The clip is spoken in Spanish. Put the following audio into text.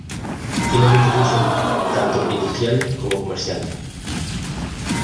Tiene muchos usos tanto industriales como comerciales.